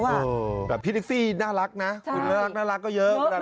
แบบพี่แท็กซี่น่ารักนะเฉพาะน่ารักน่ารักก็เยอะมาก